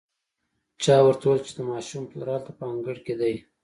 چا ورته وويل چې د ماشوم پلار هلته په انګړ کې دی.